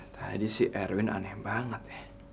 tadi si erwin aneh banget